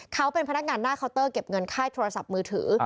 เขาเป็นพนักงานหน้าเคาน์เตอร์เก็บเงินค่ายโทรศัพท์มือถือ